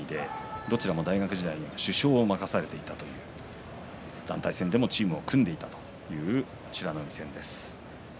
どちらも大学時代に主将を任されていた団体戦でもチームを組んでいたという美ノ海戦です。